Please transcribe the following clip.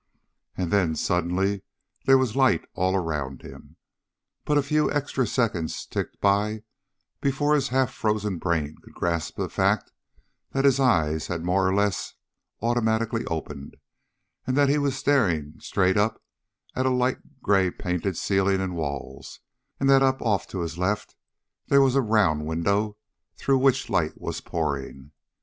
And then, suddenly, there was light all around him. But a few extra seconds ticked by before his half frozen brain could grasp the fact that his eyes had more or less automatically opened and that he was staring up at a light grey painted ceiling and walls, and that up off to his left there was a round window through which light was pouring.